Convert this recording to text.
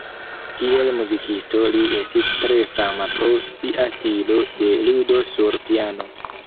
Kiel muzikisto li estis tre fama pro sia stilo de ludo sur piano.